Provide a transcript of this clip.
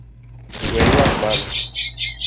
We yuak mama.